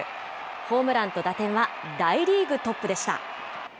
ホームランと打点は大リーグトップでした。